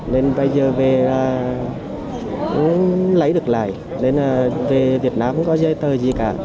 nên bây giờ về không lấy được lại nên về việt nam không có giấy tờ gì cả